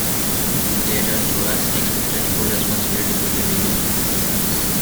Later, Truax accepted full responsibility for the failure.